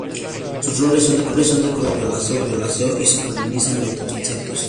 Sus flores son de un color rosado-violáceo, y se polinizan mediante insectos.